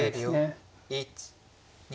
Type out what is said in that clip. １２。